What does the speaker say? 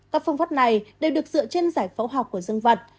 các phương pháp này đều được dựa trên giải phẫu học của dân vật